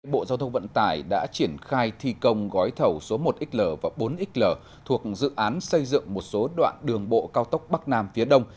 bộ giao thông vận tải đã triển khai thi công gói thầu số một xl và bốn xl thuộc dự án xây dựng một số đoạn đường bộ cao tốc bắc nam phía đông